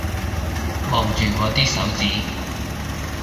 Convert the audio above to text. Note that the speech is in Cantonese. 望住我啲手指